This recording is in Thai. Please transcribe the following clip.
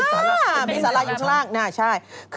อ๋อเป็นสาลามีสาลาอยู่ข้างล่างใช่